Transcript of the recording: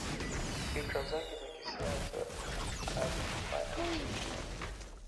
Fikra zake za kisiasa alizipata nchini Kenya